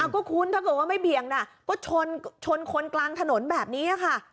ก็คุณถ้าเกิดว่าไม่เบี่ยงนะก็ชนคนกลางถนนแบบนี้ค่ะ